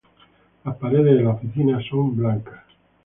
Las paredes de la oficina son blancas.